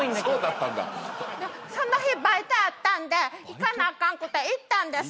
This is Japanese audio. その日バイトあったんで行かなあかんくて行ったんです。